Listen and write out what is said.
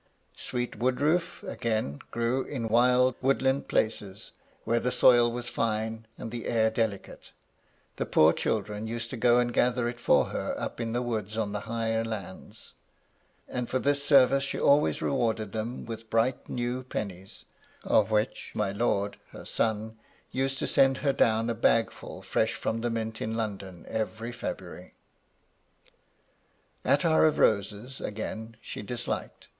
Sweet woodroof, again, grew in wild, woodland places, where the soil was fine and the air delicate: the poor children used to go and gather it for her up in the woods on the higher lands ; and for this service she always rewarded them with bright new pennies, of which my lord, her son, used to send her down a bagful fresh from the Mint in London every February. Attar of roses, again, she disliked.